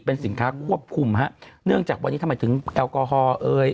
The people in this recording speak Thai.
เป็นสินค้าควบคุมฮะเนื่องจากวันนี้ทำไมถึงแอลกอฮอล์เอ่ย